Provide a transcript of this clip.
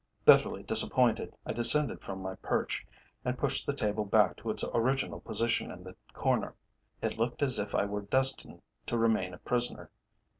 Bitterly disappointed, I descended from my perch, and pushed the table back to its original position in the corner. It looked as if I were destined to remain a prisoner.